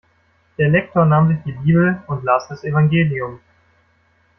Der Lektor nahm sich die Bibel und las das Evangelium.